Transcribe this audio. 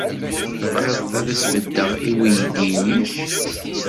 Tebɣiḍ ad as-beddeɣ i weydi-nnek?